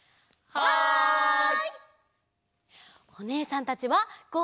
はい。